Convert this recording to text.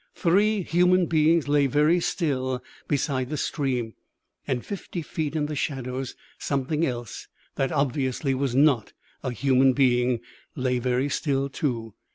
Three human beings lay very still beside the stream, and fifty feet in the shadows something else, that obviously was not a human being, lay very still, too.